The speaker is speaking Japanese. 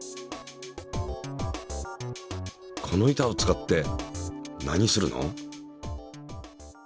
この板を使って何するの？